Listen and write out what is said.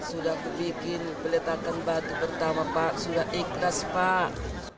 sudah pak sudah bikin beletarkan batu pertama pak sudah ikhlas pak